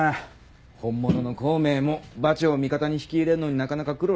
本物の孔明も馬超を味方に引き入れんのになかなか苦労したからな。